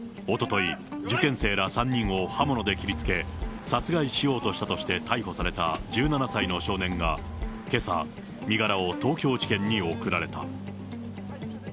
おととい、受験生ら３人を刃物で切りつけ、殺害しようとしたとして逮捕された１７歳の少年が、けさ、身柄を東京地検に送られた。